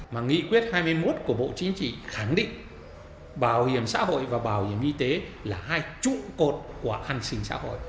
mà nghị quyết hai mươi một của bộ chính trị khẳng định bảo hiểm xã hội và bảo hiểm y tế là hai trụ cột của an sinh xã hội